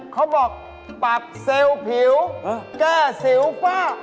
เขาบอกปรับเซลล์ผิวเกลือเซลล์ฝ้า